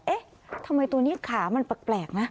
เอ๊ะทำไมตัวนี้ขามันแปลกนะ